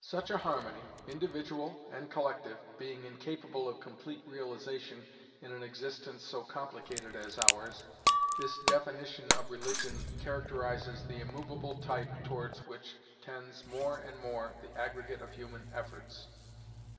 Such a harmony, individual and collective, being incapable of complete realization in an existence so complicated as ours, this definition of religion characterizes the immovable type towards which tends more and more the aggregate of human efforts.